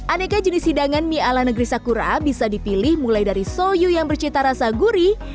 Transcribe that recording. aneka jenis hidangan mie ala negeri sakura bisa dipilih mulai dari soyu yang bercita rasa gurih